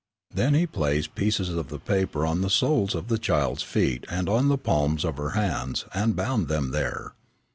Then he placed pieces of the paper on the soles of the child's feet and on the palms of her hands, and bound them there.